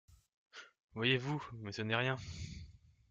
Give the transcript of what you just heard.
Voyez-vous ! Mais ce n'est rien.